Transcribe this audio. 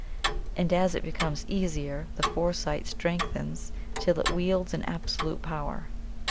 And as it becomes easier the foresight strengthens till it wields an absolute power.